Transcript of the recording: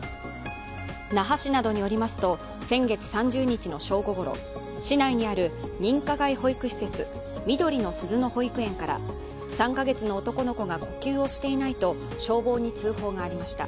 那覇市などによりますと先月３０日の正午ごろ市内にある認可外保育施設緑のすず乃保育園から３カ月の男の子が呼吸をしていないと消防に通報がありました。